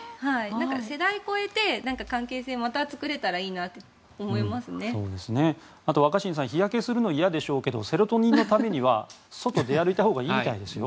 世代を超えて関係性をまた作れたらいいなと若新さん、日焼けするの嫌でしょうけどセロトニンのためには外で歩いたほうがいいみたいですよ。